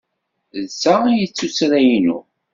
D ta ay d tuttra-inu.